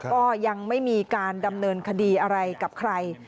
ก็ยังไม่มีการดำเนินคดีอะไรกับใคร